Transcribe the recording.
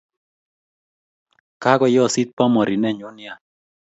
Kakoyosit bomori ne nyun nea